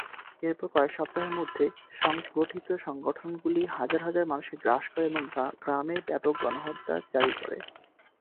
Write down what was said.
এরপর কয়েক সপ্তাহের মধ্যে, সংগঠিত সংগঠনগুলি হাজার হাজার মানুষকে গ্রাস করে এবং গ্রামে ব্যাপক গণহত্যা জারি করে।